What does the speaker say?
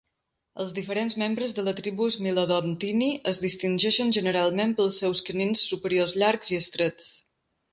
Els diferents membres de la tribu Smilodontini es distingeixen generalment pels seus canins superiors llargs i estrets.